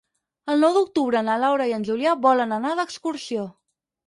El nou d'octubre na Laura i en Julià volen anar d'excursió.